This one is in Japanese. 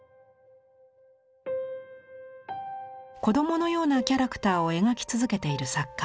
子供のようなキャラクターを描き続けている作家。